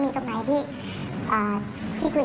ก็ไม่รู้ว่าฟ้าจะระแวงพอพานหรือเปล่า